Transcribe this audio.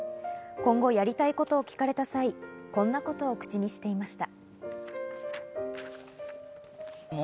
今後やりたいことを聞かれた際、こんなことを口にしていました。